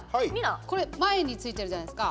これ前に付いてるじゃないですか。